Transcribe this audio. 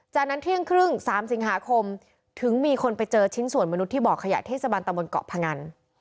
จากนั้นเที่ยงครึ่ง๓สิงหาคมถึงมีคนไปเจอชิ้นส่วนมนุษย์ที่บ่อขยะเทศบาลตะบนเกาะพงัน